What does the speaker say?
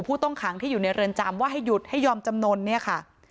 ผู้ต้องขังที่อยู่ในเรือนจำว่าให้หยุดให้ยอมจำนวนเนี่ยค่ะ